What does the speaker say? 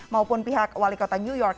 maupun pihak wali kota new york